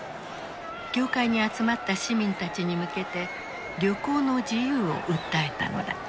教会に集まった市民たちに向けて旅行の自由を訴えたのだ。